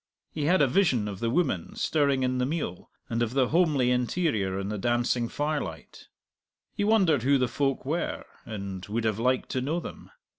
He had a vision of the woman stirring in the meal, and of the homely interior in the dancing firelight. He wondered who the folk were, and would have liked to know them.